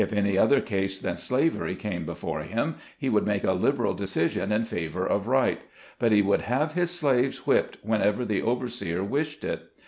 If any other case than slavery came before him, he would make a liberal decision in favor of right ; but he would have his slaves whipped whenever the overseer wished it.